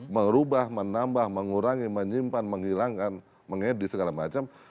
merubah menambah mengurangi menyimpan menghilangkan mengedit segala macam